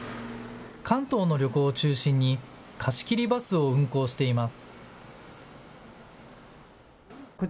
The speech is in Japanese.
関東の旅行を中心に貸し切りバスを運行しています。